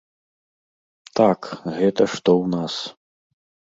Так, гэта што ў нас.